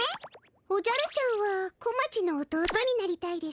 おじゃるちゃんは小町の弟になりたいでしょう？